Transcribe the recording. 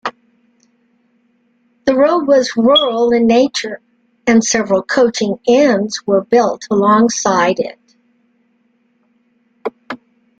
The road was rural in nature and several coaching inns were built alongside it.